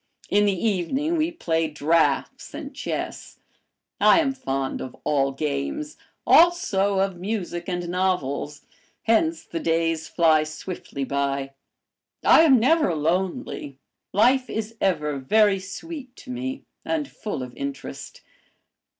In the evening we played draughts and chess. I am fond of all games, also of music and novels, hence the days fly swiftly by; I am never lonely, life is ever very sweet to me and full of interest.